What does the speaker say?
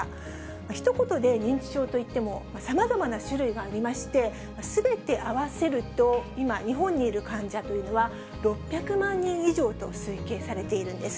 ひと言で認知症といっても、さまざまな種類がありまして、すべて合わせると、今、日本にいる患者というのは、６００万人以上と推計されているんです。